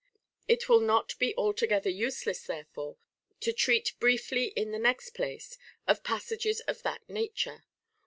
It will not be altogether useless therefore, to treat briefly in the next place of passages of that nature.